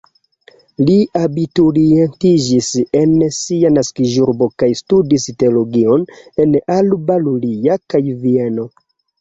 Li abiturientiĝis en sia naskiĝurbo kaj studis teologion en Alba Iulia kaj Vieno.